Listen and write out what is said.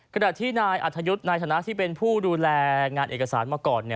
ขณะที่นายอัธยุทธ์นายธนาที่เป็นผู้ดูแลงานเอกสารมาก่อน